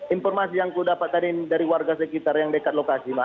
informasi yang kudapatkan dari warga sekitar yang dekat lokasi